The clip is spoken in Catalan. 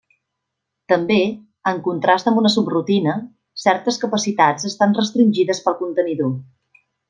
També, en contrast amb una subrutina, certes capacitats estan restringides pel contenidor.